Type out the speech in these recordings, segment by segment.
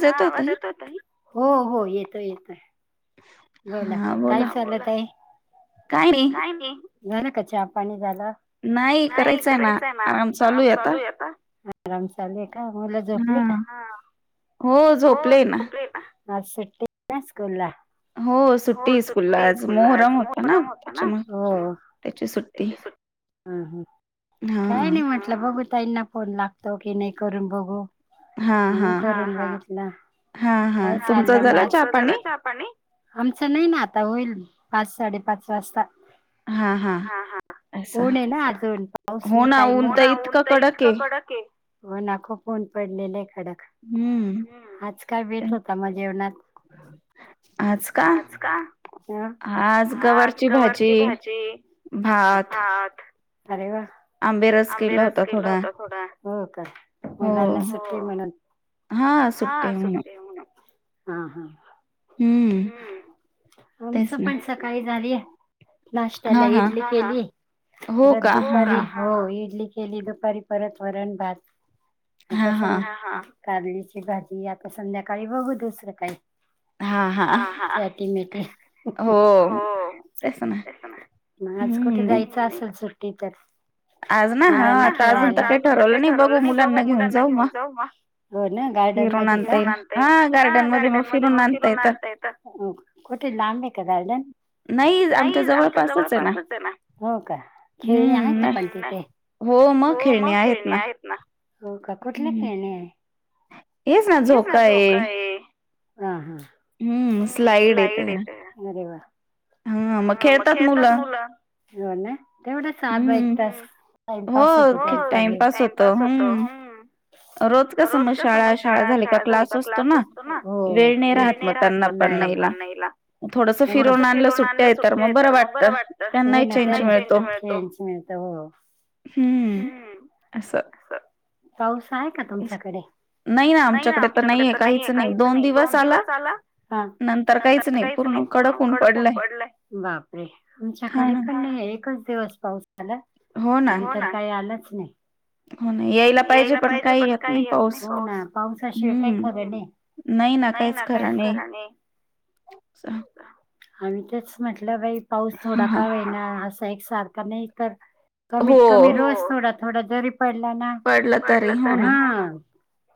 हा आवाज यतोय तुम्हाला हो हो येतोय. बोला काय चालल ताई. काय नाही झाला का चहा पाणी झालं. नाही करायचंय ना आराम चालूये अता. आराम चालुय का मुल झोपली का हा. झोपलेय ना. आज सुट्टीय काय स्कुला. हो सुट्टी स्कूला आज मोहरम होत ना त्याच्यामुळ. त्याची सुट्टी. हम्म हम्म काय नाही म्हटलं बघू ताईना फोन लागतो की नाही करून बघू म्हणून करून बघतला. काय चाललं तुमचा झाला चहा पाणी. आमच नाही ना आता होईल पाच साडेपाच वाजता. हा हा. ऊने ना अजून पाऊस नाही काही नाही ऊन तर इतक कडके. हो ना खूप ऊन पडलेलेय. हम्म. आज काय बेत होता मग जेवणात. आज का आज गवारची भाजी. हा अरे वा. आंबेर आंबे रस केला होता थोडा हो का मुलांनासाठी म्हण हा सुट्टे हा. हम्म आमचं पण सकाळी झालीय. नाष्टला इडली केली परत दुपारी हो इडली केली दुपारी परत वरण भात आता स काढली. भाजी आता संध्याकाळी बघू दुसरं काही. हा हा अट मिती हो. मग आज कुठे जायचं असेल सुट्टी तर. अजून काही ठरवलं नाही बघ मुलांना घेऊन जाऊ म. गार्डन मध्ये का? हा गार्डन मध्ये म फिरून आणता येत. लाबे का गार्डन. नाही आमच्या जवळपासचे ना हम्म नाही. हो मग खेळणे आहेत ना. हो का कुठला खेळणेये. हेच ना झोकाये हम्म स्लईड ेत वा हा मग खेळतात मुलं हो ना तेवढा सात बाईक तास टाइमपास होत टाइमपास होत रोज कस म शळा शळा झा का क्लास असतो ना वेळहत म पणला थोडंसं फिरून आणलं सुट्टं तर मग बरं वाटत त्यांनाही चेंज मिळतो हम्म असं पाऊस आहे का तुमच्याकडे नाही ना आमच्याकडे तर नाहीय काहीच नाही दोन दिवस आला नंतर काहीच नाही पूर्ण कडकून पडलाय बापरे आमच्याकडे पण नाही एकच दिवस पाऊस झाला नंतर काही आलंच नाही हो नाही यायला पाहिजे पण पण काही य नाही पावसाशिवाय काही खरं नाही नाही ना कायच खरा नाही आम्ही तेच म्हटलं बाई पाऊस थोडा का वेणार असा एक सारखा नाही कर कमीत कमी रोज थोडा थोडा जरी पड ना प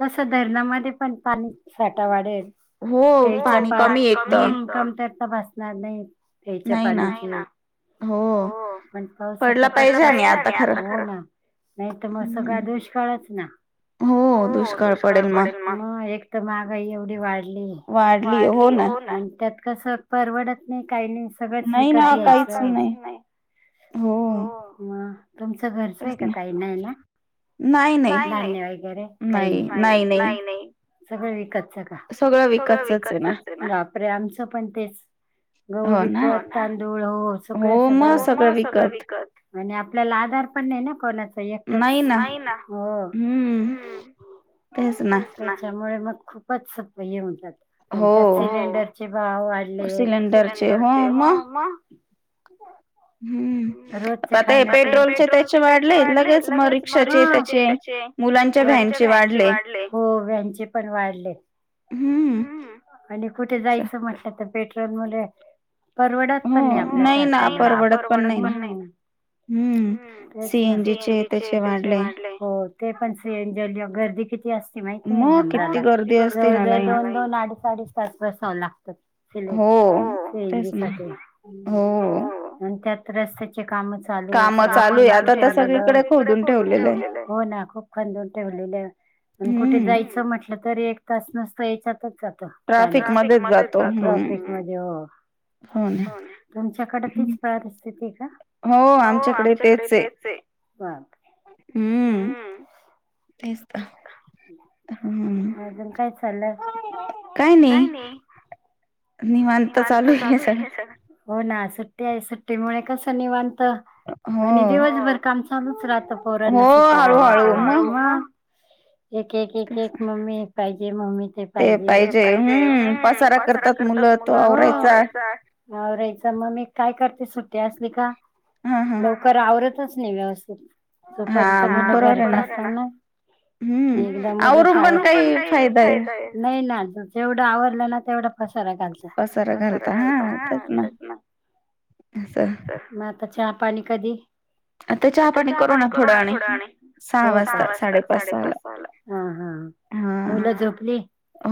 कस धरणामध्ये पण पाणी साठावाडेल त्याच्या पा इनकमता बसणार नाही हेच पणीची ना हो पण पावसाचा पडला पाहिजेण नाही तर मग सगळा दुष्काळच ना हो दुष्काळ पडेल म एक तर मगाई एवढी वाढली वाढली हो त्यात कस परवडत नाही काही नाही सगळंच विकत घयचच नाही हो तुमचं घरचं आहे का काही नाही ना नाही वगैरे काही नाही नाही सगळं विकतच का सगळं विकत बापरे आमचं पण तेच गह विकत तांदूळ हो सगळ सगळ सगळं विकत आणि आपल्याला आधार पण नाही ना कोणाचा एकटच नाही ना हो माझ्यामुळे मग खूप खपचप म्हणतात आणि त्यात सिलेंडरचे भाव वाढले सिलेंडरचे हो म रज पेट्रोलचे त्याचे वाढले लगेच र्चे त्याचे मुलांच्या भचे वाढले हो भचे पण वाढले ह आणि कुठे जायचं म्हटलं तर पेट्रोल मु परवडत पण नाही आपल्यासारख सीनी वा ते पण गर्दी किती अस मा नंब दोन दोन अडीच अडीच सातला त्या का हो खप खून ठे कुठे जायचं म्हटलं त एक तास नसत याच्या जातफ म ट्राफिक म हो हो तुमच्याकडे तेच हो आमच्याकडे तेच आहे हम्म तेच तर हम [unintelligible] काय नाही. निवांत चालू हे सगळं हो ना सुट्टी आहे सुट्टीमुळे कसं निवां त आणि दिवसभर काम चालूच राहतं पोरांना सुट्ट्या राहिलाव एक एक एक एक मम्मी पाहिजे मम्मी ते पाहिजे हे पाहिजे हम्म पसारा कर तात मुलं आवरायचा, मम्मी काय करते सुट्टी असली का? लवकर आवरतच नाही व्यवस्थित तोपर्यंत मुला घरात असता ना एकदा मुलं शाळेत आवरून पण काय का फायदा आहे? नाही ना जेवढं आवरलं ना तेवढं फस पसारा घालतात तेच ना म आताच्या पाणी कधी आता चहा पाणी करू ना थोडं आणि सहा वाजता साडेपाच वाला मुलं झोपली.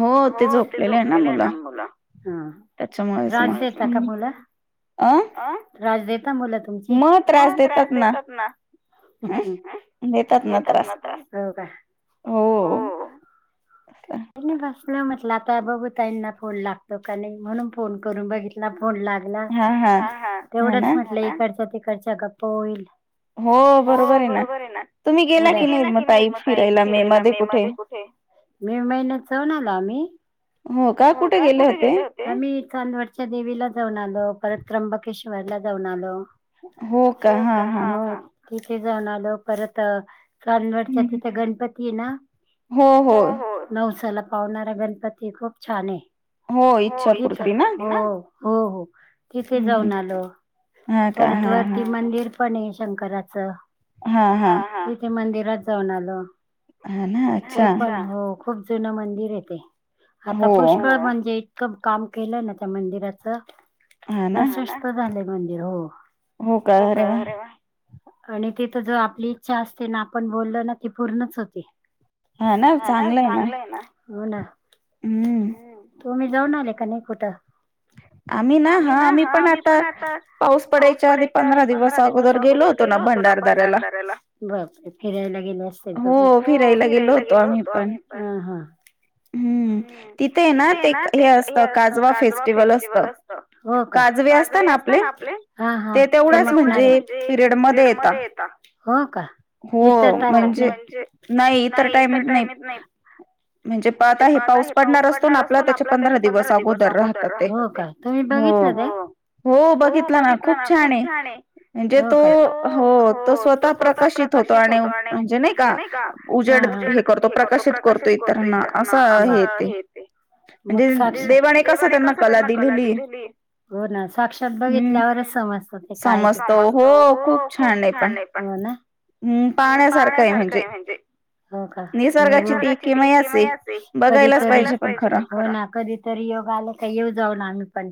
हो ते झोपलेले आहे ना मुलं त्याच्यामुळेच मग हं आं मुलं तुमची म त्रास देतात ना देतात ना त्रास, हो काय? हो मी बसलं म्हटलं आता बघू ताईना फोन लागतो का नाही म्हणून फोन करून बघितला. फोन लागला तेवढंच म्हटलं इकडच्या तिकडच्या गप्पा होईल. हो बरोबर आहे ना तुम्ही गेला की नाही मग ताई फिरायला मे मध्ये कुठे मे महिन्यात जाऊन आलो आम्ही हो का, कुठे गेले होते? आम्ही चांदवडच्या देवीला जाऊन आलो परत त्र्यंबकेश्वरला जाऊन आलो. हो का हा हा तिथे जाऊन आलो परत चांदवडच्या तिथे गणपती हे ना हो हो पावणारा गणपती खूप छान आहे. हो इथं हो हो हो तिथे जाऊन आलो परत वरती मंदिर पण हे शंकराच तिथे मंदिरात जाऊन आलो ते पण हो खूप जुन मंदिर आहे ते आता पुष्कळ म एक काम केलं ना त्या मंदिराच प्रशस्त झालंय मंदिर हो हो का, अरे वा! आणि तिथं जो आपली इच्छा असते ना आपण बोललो ना ती पूर्णच होती. हा ना चांगलं आहे ना हो ना तूमी जाऊन आले का नाही कुठं? आम्ही ना हा आम्ही पण आता पाऊस पडायच्या आधी पंधरा दिवस अगोदर गेलो होतो ना भंडार भंडारदराला हो फिरायला ला गेलो होतो आम्ही पण हा हा हम्म तिथे ना ते हे असतं काजवा फेस्ट फेस्टिवल असतं काजवे असता ना आपले ते तेवढेच म्हणजे पिरियड मध्ये येता इतर टाईमात नाही म्हणजे नाही इतर टायमात नाहीत. म्हणजे आता हे पाऊस पडणार असतो ना आपला त्याच्या पंधरा दिवस अगोदर राहतात. हो का तुम्ही बघितलं ते हो बघितलं ना खूप छान आहे. म्हणजे तो हो तो स्वतः प्रकाशित होतो आणि म्हणजे नाही का उजेड हे करतो प्रकाशित करतो इतरांना असं हे ते म्हणजे देवाने कस त्यांना दिले हो ना साक्षात बघितल्यावरच समजत ते कायत. खूप छान आहे पण् पाण्यासारखं आहे म्हणजे हो का कधीरी हो ना कधीतरी योग आला काही येऊ जाऊ ना आम्ही पण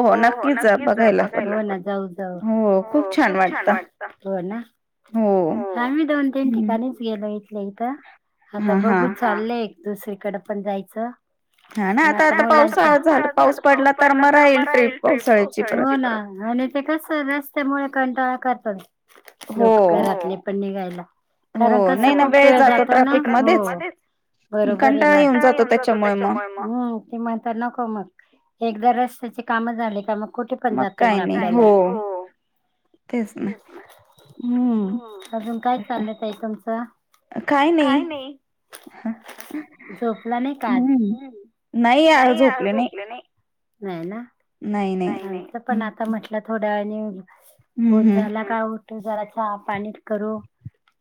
हो हो नक्कीच बघाय जाऊ जाऊ हो खूप छान वाटत हो ना. हम्. आम्ही दोन तीन ठिकाणीच गेलो इथले इथं आता बघू चाललय. दुसरीकडें पण जायचं. पावसाळा झाला पाऊस पडला तर मग राहील ट्रेन पावसाळ आणि ते कस रस्त्यामुळे कंटाळा करतात लोक घरातले पण निघायला. कारण कसं खूप वेळ जातो ना. बरोबर आहे नान ज त्यामुळे ते म्हणता नको मग एकदा रस्त्याची काम झा का मग मग काही नाही हो तेच ना हम्म. अजून काय चालत आहे तुमच काय नाही. झोपला नाही का नाही झोपले नाही. नाही ना नाही याच पण आता म्हटलं थोड्या वे फोन झाला का उठ जरा च पाणीत करू.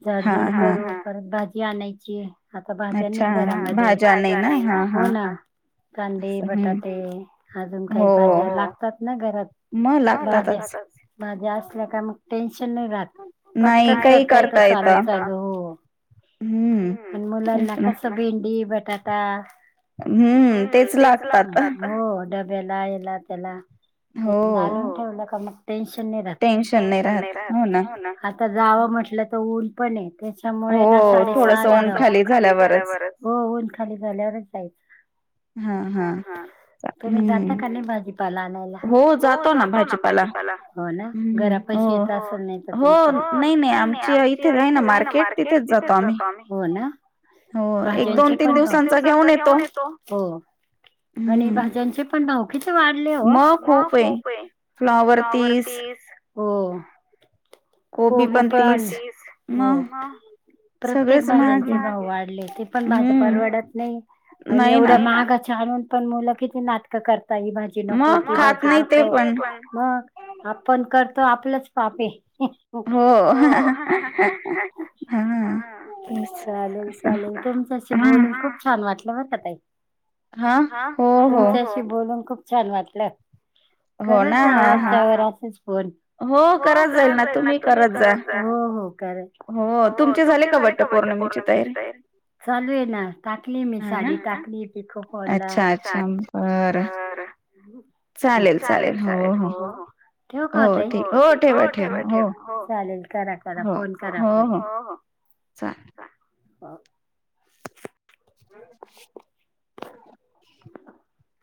झाडजूड करू परत भाजी आणायची. आता भाज नाही घरामध्ये भा हो ना. कांदी बटाटे अजून काही भाज्या लागतात ना घरात माझ्या असल्या का मग टेन्शन नाही राह. पटकनसारखा आहे त चालय चाग हो. पण मुलांना कस भेंडी, बटाटा हम्म तेच लागतात. बला येला तेला टेन्शन नाही राह टेन्शन नाही राहत आता जावं म्हटलं तर ऊन पण य त्याच्यामुळे ना साडेसहाऊन खाली झाल्या हो ऊन खाली झाल्यावर तुम्ही जात का नाही भाजी आणला हो जातो ना भाजीपाला हो ना घरा पशी येत अस नाही तुमच. हो नाही नाही आमची इथे काही ना मार्केट तिथेच जातो आम्ही हो ना. प तीन दिवसांचा घेऊन येतो हो. आणि भाज्यांचे पण नाव किती वाढले हो मग खूप आहे फ्लाॉवर तीस. हो पवी फनंदस हो. प्रत्येक भाजांचे भाऊ वाढले ते पण भाजप परवडत नाही. आणि एवढ्या महागाच्या आणून पण मुलं किती नाटकं करतात. ही भाजी नको ती भाजी नको मग आपण कर. तो आपलंच पाप आहे. हो. चालेल चालेल तुमच्याशी बोलून खूप छान वाट. हो हा तुमच्याशी बोलून खूप छान वाटलं. कर त्यावर असेच फोन हो करत जाईल ना. तुम्ही कर. तुम पौ त चालू टा. गाडी टाकली पिकपला. चालेल चालेल हो हो ठेव का त होठी हो ठेवा ठेव. चालेल करा करा फोन करा खरा. हम. [unintelligible]